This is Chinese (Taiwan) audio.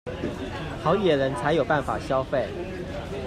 好野人才有辦法消費